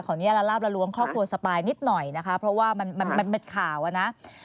อนุญาตละลาบละล้วงครอบครัวสปายนิดหน่อยนะคะเพราะว่ามันเป็นข่าวอ่ะนะ